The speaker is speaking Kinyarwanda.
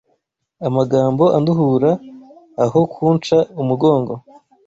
Amagambo anduhura Aho kunsha umugongo!